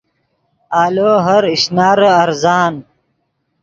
آلو ہر اشنارے ارزان